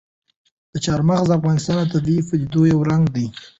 چار مغز د افغانستان د طبیعي پدیدو یو رنګ دی.